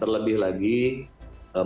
terlebih lagi masyarakat yang kecil